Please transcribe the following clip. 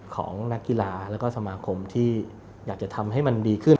ของนักกีฬาแล้วก็สมาคมที่อยากจะทำให้มันดีขึ้น